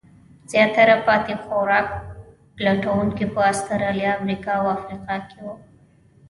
زیاتره پاتې خوراک لټونکي په استرالیا، امریکا او افریقا کې وو.